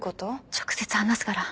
直接話すから。